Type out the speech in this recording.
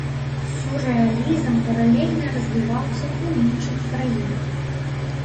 Сюррэалізм паралельна развіваўся ў іншых краінах.